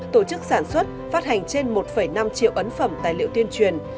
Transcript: tổ chức sản xuất phát hành trên một năm triệu ấn phẩm tài liệu tuyên truyền